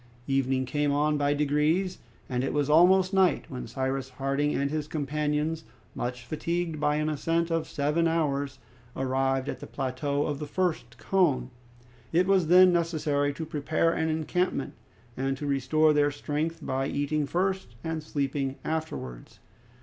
Evening came on by degrees, and it was almost night when Cyrus Harding and his companions, much fatigued by an ascent of seven hours, arrived at the plateau of the first cone. It was then necessary to prepare an encampment, and to restore their strength by eating first and sleeping afterwards.